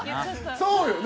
そうよね。